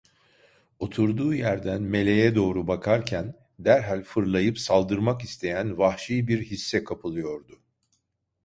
Oturduğu yerden Meleğe doğru bakarken, derhal fırlayıp saldırmak isteyen vahşi bir hisse kapılıyordu.